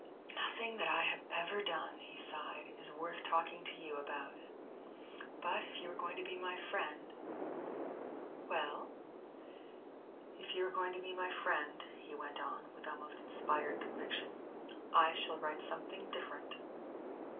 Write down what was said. "Nothing that I have ever done," he sighed, "is worth talking to you about. But if you are going to be my friend " "Well?" "If you are going to be my friend," he went on, with almost inspired conviction, "I shall write something different."